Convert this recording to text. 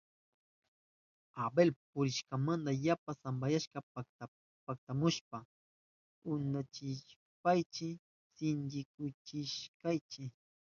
Abel purinamanta yapa sampayashka paktamushpan upyachishpanchi sinchikuchishkanchi.